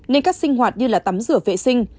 nên các sinh hoạt như là tắm rửa vệ sinh